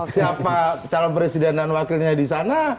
siapa calon presiden dan wakilnya disana